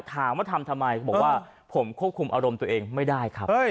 ถามว่าทำทำไมเขาบอกว่าผมควบคุมอารมณ์ตัวเองไม่ได้ครับ